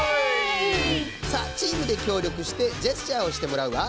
さぁチームできょうりょくしてジェスチャーをしてもらうわ。